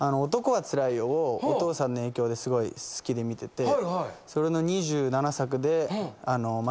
『男はつらいよ』をお父さんの影響ですごい好きで見ててそれの。